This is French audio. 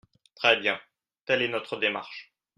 Très bien ! Telle est notre démarche.